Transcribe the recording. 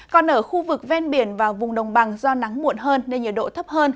còn ở khu vực ven biển và vùng đồng bằng do nắng muộn hơn nên nhiệt độ thấp hơn